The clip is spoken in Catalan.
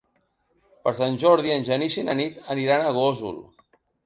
Per Sant Jordi en Genís i na Nit aniran a Gósol.